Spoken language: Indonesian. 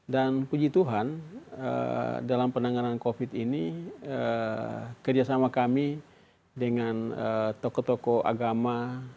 dan puji tuhan dalam penanganan covid sembilan belas ini kerjasama kami dengan tokoh tokoh agama